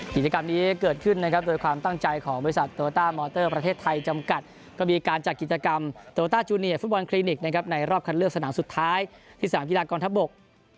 กิจกรรมนี้เกิดขึ้นนะครับโดยความตั้งใจของบริษัทโตโยต้ามอเตอร์ประเทศไทยจำกัดก็มีการจัดกิจกรรมโตต้าจูเนียร์ฟุตบอลคลินิกนะครับในรอบคันเลือกสนามสุดท้ายที่สนามกีฬากองทัพบก